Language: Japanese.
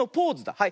はい。